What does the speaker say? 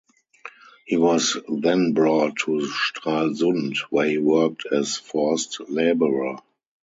He was then brought to Stralsund where he worked as forced laborer.